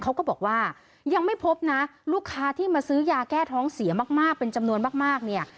เขาก็บอกว่ายังไม่พบนะลูกค้าที่มาซื้อยาแก้ท้องเสียมากเป็นจำนวนมากเนี่ย